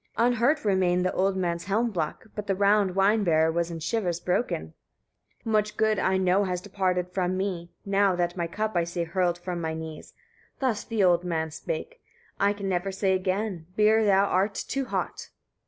Unhurt remained the old man's helm block, but the round wine bearer was in shivers broken. 32. "Much good, I know, has departed from me, now that my cup I see hurled from my knees." Thus the old man spake: "I can never say again, beer thou art too hot.